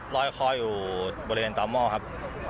ลอยคออยู่บริเวณต่อหม้อครับ